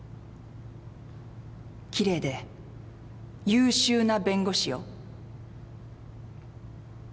「キレイで優秀な弁護士」よ。